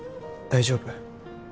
大丈夫？